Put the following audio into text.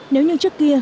nếu như trước kia